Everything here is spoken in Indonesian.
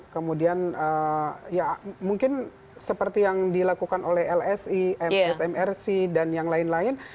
kemudian ya mungkin seperti yang dilakukan oleh lsi msmrc dan yang lain lain